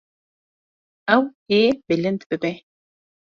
Ew ê bilind bibe.